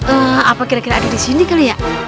eh apa kira kira ada di sini kali ya